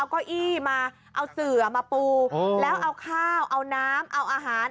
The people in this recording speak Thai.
เก้าอี้มาเอาเสือมาปูแล้วเอาข้าวเอาน้ำเอาอาหาร